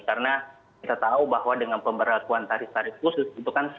karena kita tahu bahwa dengan pemberlakuan tarif tarif khusus itu kan